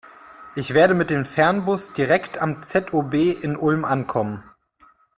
Ich werde mit dem Fernbus direkt am ZOB in Ulm ankommen.